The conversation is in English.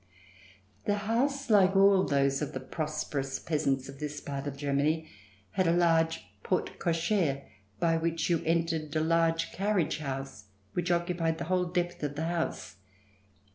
The house, like all those of the prosperous peasants of this part of Germany, had a large porte cochere by which you entered a large carriage house which occupied the whole depth of the house.